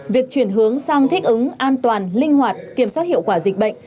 việc chuyển hướng sang thích ứng an toàn linh hoạt kiểm soát hiệu quả dịch bệnh